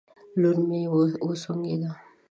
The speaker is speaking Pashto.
لور مې وسونګېده